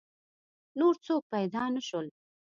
نور څوک پیدا نه شول.